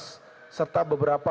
dan kemudian bagian lain